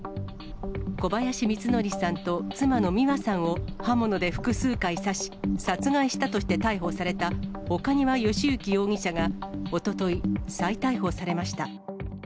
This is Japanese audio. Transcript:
小林光則さんと妻の美和さんを刃物で複数回刺し、殺害したとして逮捕された岡庭由征容疑者が、おととい、再逮捕されました。